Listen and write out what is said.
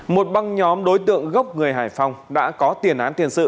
một băng nhóm đối tượng gốc người hải phòng đã có tiền án tiền sự